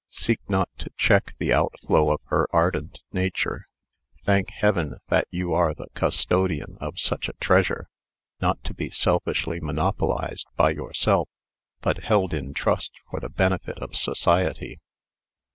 Seek not to check the outflow of her ardent nature. Thank Heaven that you are the custodian of such a treasure, not to be selfishly monopolized by yourself, but held in trust for the benefit of society."